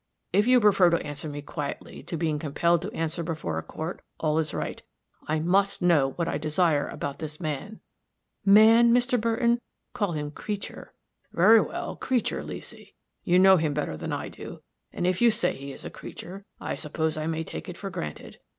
If you prefer to answer me quietly to being compelled to answer before a court, all is right. I must know what I desire about this man." "Man, Mr. Burton! Call him creature." "Very well, creature, Leesy. You know him better than I do, and if you say he is a creature, I suppose I may take it for granted.